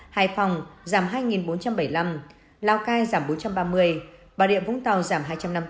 hải phòng giảm hai bốn trăm bảy mươi năm lào cai giảm bốn trăm ba mươi bà rịa vũng tàu giảm hai trăm năm mươi bốn